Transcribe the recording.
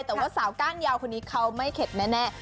แต่ว่าสาวก้านยาวคนนี้เขาไม่เข็ดแน่